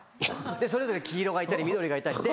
それぞれ黄色がいたり緑がいたり。